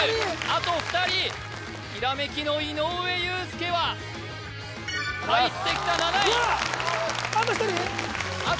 あと２人ひらめきの井上裕介は入ってきた７位わあ！